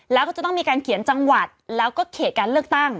แล้วก็จะต้องมีการเขียนจังหวัดแล้วก็เขตการเลือกตั้ง